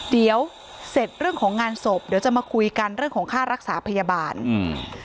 เดี๋ยวเสร็จเรื่องของงานศพเดี๋ยวจะมาคุยกันเรื่องของค่ารักษาพยาบาลอืม